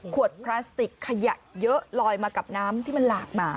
พลาสติกขยะเยอะลอยมากับน้ำที่มันหลากมา